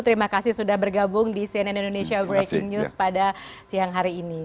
terima kasih sudah bergabung di cnn indonesia breaking news pada siang hari ini